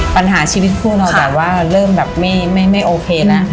ปัญหาชีวิตคู่เราแบบว่าเริ่มแบบไม่โอเคนะ